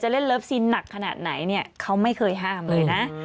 เล่นเลิฟซีนหนักขนาดไหนเนี่ยเขาไม่เคยห้ามเลยนะ